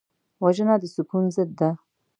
وژنه د سکون ضد ده